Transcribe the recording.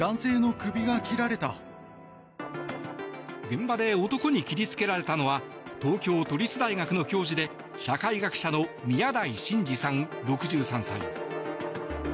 現場で男に切り付けられたのは東京都立大学の教授で社会学者の宮台真司さん、６３歳。